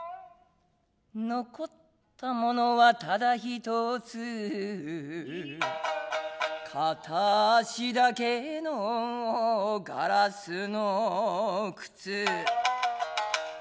残ったものはただひとつ片足だけのガラスの靴